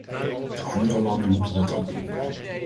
De andere landen moeten dat ook doen.